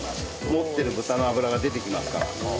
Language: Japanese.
持ってる豚の脂が出てきますから。